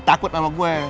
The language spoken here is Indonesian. takut sama gue